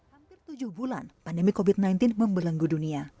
hampir tujuh bulan pandemi covid sembilan belas membelenggu dunia